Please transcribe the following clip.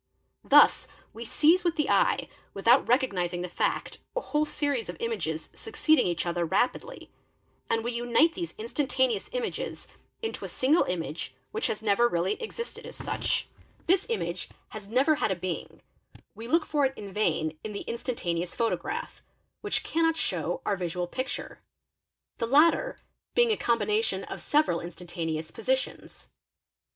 Thus we seize with the eye, without recognising the fact, a whole series of images succeeding each other rapidly, and we unite these instantaneous images into a single image which has never really existed as such. | (a PERCEPTION 67 This image has never had a being; we look for it in vain in the instantaneous photograph, which cannot show our visual picture, the x lattter being a combination of several instantaneous positions.